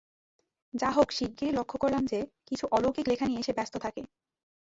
যা হোক শিগগিরই লক্ষ করলাম যে, কিছু অলৌকিক লেখা নিয়ে সে ব্যস্ত থাকে।